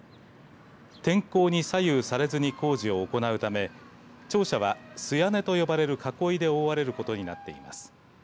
天候に左右されずに工事を行うため庁舎は素屋根と呼ばれる囲いで覆われることになっています。